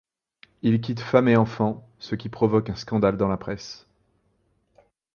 Il quitte femme et enfants, ce qui provoque un scandale dans la presse.